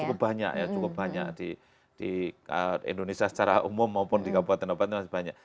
cukup banyak ya cukup banyak di indonesia secara umum maupun di kabupaten kabupaten masih banyak